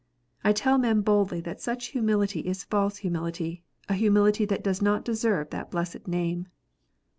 I tell men boldly that such humility is a false humility, a humility that does not deserve that blessed name.